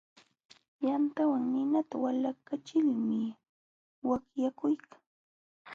Yantawan ninata walaykachilmi watyakuykan.